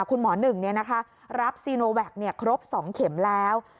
คุณหมอหนึ่งรับซีโนแวกท์ครบ๒เข็มแล้ว